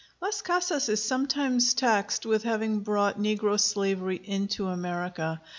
Las Casas is sometimes taxed with having brought negro slavery into America.